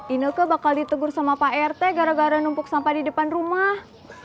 inoke bakal ditegur sama pak rt gara gara numpuk sampah di depan rumah